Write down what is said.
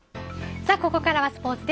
さあ、ここからはスポーツです。